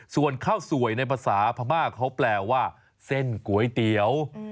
ส่วนข้าวสวยในภาษาพม่าเขาแปลว่าเส้นก๋วยเตี๋ยว